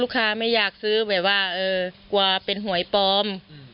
ค้าไม่อยากซื้อแบบว่ากลัวเป็นหวยปลอม